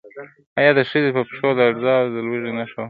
ایا د ښځې په پښو کې لړزه د لوږې نښه وه؟